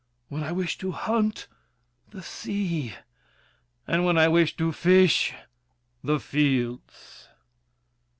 When I wish to hunt— The sea! And when I wish to fish—the fields!